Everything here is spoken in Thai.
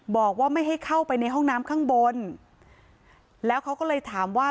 บอกว่าไม่ให้เข้าไปในห้องน้ำข้างบนแล้วเขาก็เลยถามว่า